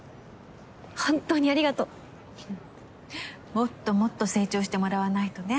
もっともっと成長してもらわないとね。